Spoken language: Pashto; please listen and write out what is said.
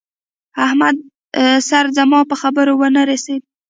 احمده! سر دې زما په خبره و نه رسېدی!